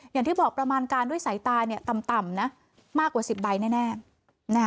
อย่างที่บอกประมาณการณ์ด้วยสายตายนี้ต่ำต่ำนะ